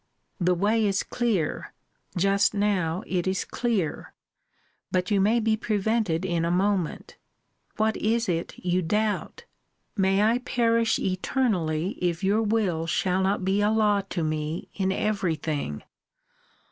The way is clear; just now it is clear; but you may be prevented in a moment. What is it you doubt? May I perish eternally, if your will shall not be a law to me in every thing!